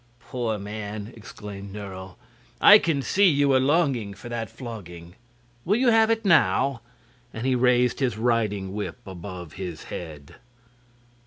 "Poor man!" exclaimed Nerle; "I can see you are longing for that flogging. Will you have it now?" and he raised his riding whip above his head.